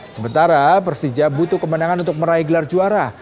sementara persija butuh kemenangan untuk meraih gelar juara